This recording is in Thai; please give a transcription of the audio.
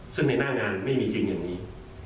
ซึ่งในหน้างานไม่มีจริงอย่างนี้